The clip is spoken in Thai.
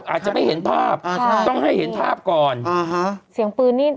อาจจะไม่เห็นภาพอ่าใช่ต้องให้เห็นภาพก่อนอ่าฮะเสียงปืนนี่